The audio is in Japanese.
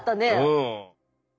うん！